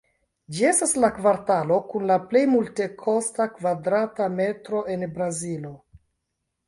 Ĝi estas la kvartalo kun la plej multekosta kvadrata metro en Brazilo.